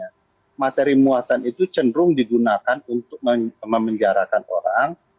mata mata yang muatan itu cenderung digunakan untuk memenjarakan orang